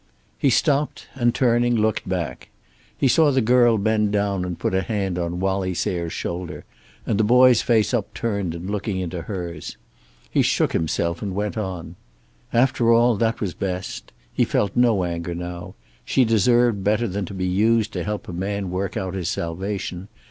He stopped and, turning, looked back. He saw the girl bend down and put a hand on Wallie Sayre's shoulder, and the boy's face upturned and looking into hers. He shook himself and went on. After all, that was best. He felt no anger now. She deserved better than to be used to help a man work out his salvation.